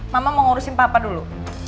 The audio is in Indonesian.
mama mau ngurusin papa dulu